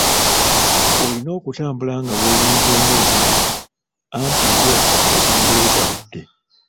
Olina okutambula nga weerinze ng'ensanafu, anti yo etambula egaludde.